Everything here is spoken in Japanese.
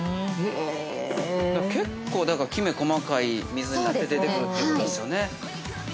◆結構だから、きめ細かい水になって出てくるということですよね。